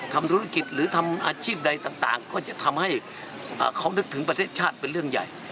ทำธุรกิจหรือทำอาชีพใดต่างก็จะทำให้เขานึกถึงประเทศชาติเป็นเรื่องใหญ่